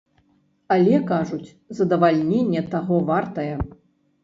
Але, кажуць, задавальненне таго вартае.